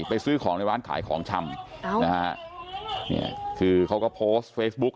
ซื้อของในร้านขายของชำนะฮะเนี่ยคือเขาก็โพสต์เฟซบุ๊ก